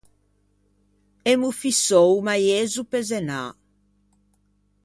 Emmo fissou o maiezzo pe zenâ.